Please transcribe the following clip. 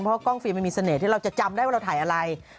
เพราะกล้องฟิล์มันมีเสน่ห์ที่เราจะจำได้ว่าเราถ่ายอะไร